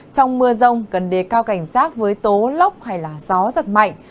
trong mưa rông cần đề cao cảnh giác với tố lốc hay gió giật mạnh